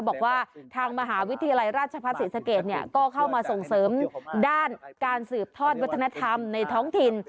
บอกว่าทางมหาวิทยาลัยราชพัฒนศรีสะเกดเนี่ยก็เข้ามาส่งเสริมด้านการสืบทอดวัฒนธรรมในท้องถิ่น